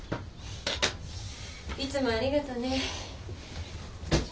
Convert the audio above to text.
いつもありがとね。